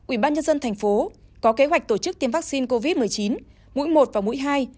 ubnd tp hcm có kế hoạch tổ chức tiêm vaccine covid một mươi chín mũi một và mũi hai